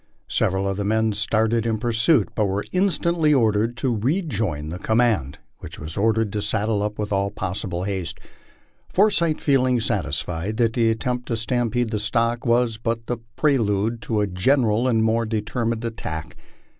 Several of the men started in pursuit, but were instantly ordered to rejoin the command, which was ordered to saddle up with all possible haste, Forsyth feeling satis fied that the attempt to stampede the stock was but the prelude to a gene ral and more determined attack.